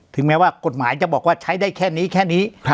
แม้ว่ากฎหมายจะบอกว่าใช้ได้แค่นี้แค่นี้